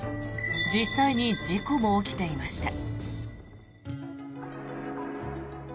実際に事故も起きていました。